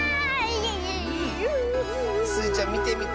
スイちゃんみてみて。